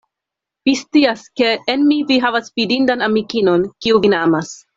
Vi scias, ke en mi vi havas fidindan amikinon, kiu vin amas.